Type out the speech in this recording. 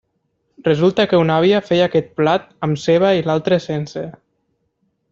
Resulta que una àvia feia aquest plat amb ceba i l'altra sense.